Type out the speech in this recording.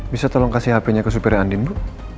bisa tolong kasih hpnya ke supirnya andin bu